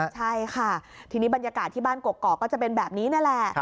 ใช่ค่ะทีนี้บรรยากาศที่บ้านกกอกก็จะเป็นแบบนี้นี่แหละ